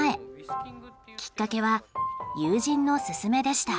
きっかけは友人の勧めでした。